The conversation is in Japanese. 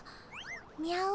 にゃお。